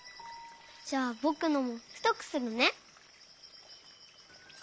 じゃあぼくのもふとくするね。